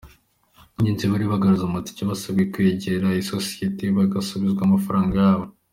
Abagenzi bari baraguze amatike basabwe kwegera iyi sosiyete bagasubizwa amafaranga yabo.